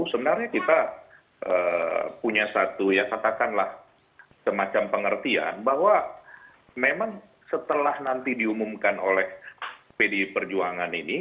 sebenarnya kita punya satu ya katakanlah semacam pengertian bahwa memang setelah nanti diumumkan oleh pdi perjuangan ini